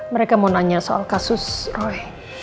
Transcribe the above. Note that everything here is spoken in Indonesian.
mereka mau nanya soal kasus roy